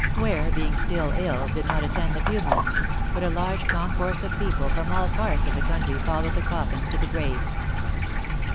Ware being still ill, did not attend the funeral, but a large concourse of people from all parts of the county followed the coffin to the grave.